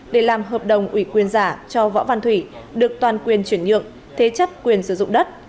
để làm hợp đồng ủy quyền giả cho võ văn thủy được toàn quyền chuyển nhượng thế chấp quyền sử dụng đất